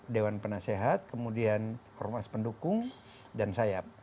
dewan penasehat kemudian hormat pendukung dan saya